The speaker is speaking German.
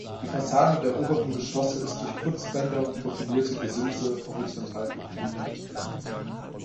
Die Fassade der oberen Geschosse ist durch Putzbänder und profilierte Gesimse horizontal gegliedert.